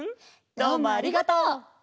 どうもありがとう！